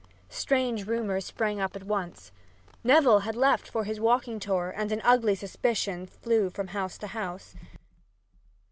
Strange rumors sprang up at once. Neville had left for his walking tour and an ugly suspicion flew from house to house.